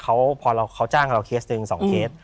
เพราะฉะนั้นเนี่ยเขาจ้างเราเคสหนึ่งสองเคส